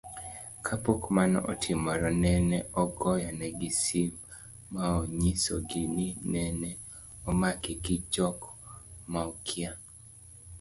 kapok mano otimore, nene ogoyonegi sim maonyisogi ni nene omake gi jok maokia